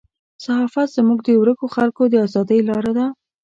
صحافت زموږ د ورکو خلکو د ازادۍ لاره ده.